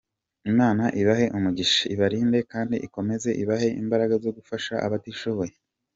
Imana ibahe umugisha, ibarinde kandi ikomeze ibahe imbaraga zo gufasha abatishoboye.